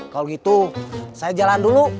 kalau gitu saya jalan dulu